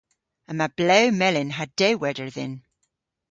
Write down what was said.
Yma blew melyn ha dewweder dhyn.